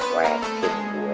wah keren gue